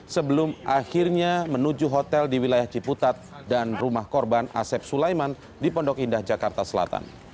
sebelum akhirnya menuju hotel di wilayah ciputat dan rumah korban asep sulaiman di pondok indah jakarta selatan